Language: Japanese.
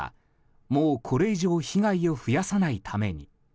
もう、これ以上被害を増やさないために。